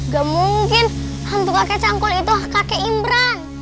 gak mungkin hantu kakek cangkul itu kakek imran